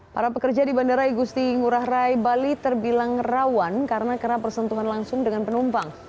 para pekerja di bandara igusti ngurah rai bali terbilang rawan karena kerap bersentuhan langsung dengan penumpang